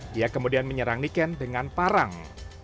dia kemudian menyerang niken dengan parang